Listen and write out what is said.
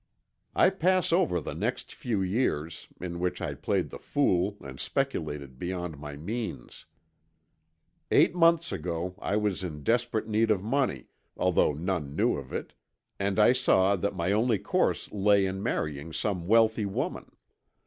"I pass over the next few years, in which I played the fool and speculated beyond my means. Eight months ago I was in desperate need of money, although none knew of it, and I saw that my only course lay in marrying some wealthy woman.